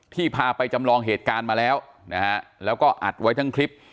พาไปจำลองเหตุการณ์มาแล้วนะฮะแล้วก็อัดไว้ทั้งคลิป